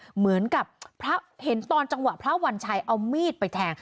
เหมือนกับพระเห็นตอนจังหวะพระวัญชัยเอามีดไปแทง